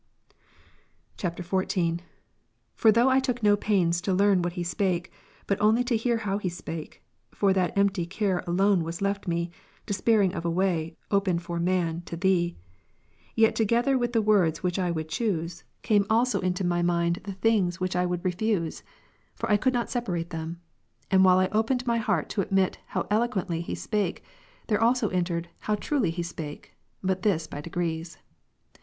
[XIV.] 21. For though I took no pains to learn what he spake, but only to hear how he spake ; (for that empty care alone was left me, despairing of away, open for man, toThee,) yet together with the words which I would choose, came also Carnal notions of God and of Scripture A.'' s chief difficuUies. 83 into my mind the things which I would refuse ; for I could • not separate them. And while I opened my heart to admit " how eloquently he spake," there also entered *' how truly he sjDake;" but this by degrees.